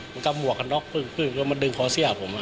มันก็หมวกกันล็อกพึ่งก็มาดึงขอเสี้ยผมอ่ะ